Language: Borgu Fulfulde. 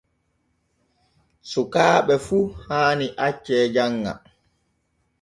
Sukaaɓe fu haani acce janŋa.